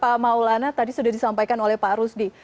pak maulana tadi sudah disampaikan oleh pak rusdi